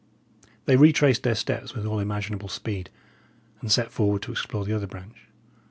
They retraced their steps with all imaginable speed, and set forward to explore the other branch.